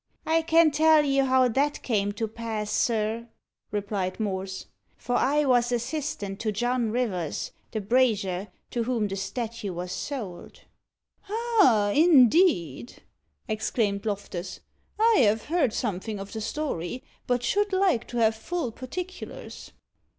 "I can tell you how that came to pass, sir," replied Morse, "for I was assistant to John Rivers, the brazier, to whom the statue was sold." "Ah! indeed!" exclaimed Loftus. "I have heard something of the story, but should like to have full particulars."